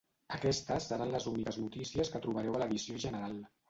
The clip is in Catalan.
Aquestes seran les úniques notícies que trobareu a l’edició general.